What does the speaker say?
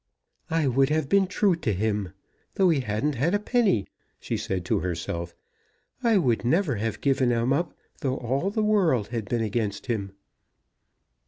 "I would have been true to him, though he hadn't had a penny," she said to herself: "I would never have given him up though all the world had been against him."